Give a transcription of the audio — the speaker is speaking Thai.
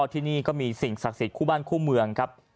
ที่นี่ก็มีสิ่งศักดิ์สิทธิคู่บ้านคู่เมืองครับ